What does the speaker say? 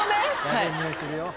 はい。